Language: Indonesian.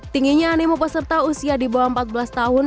tingginya animo peserta usia di bawah empat belas tahun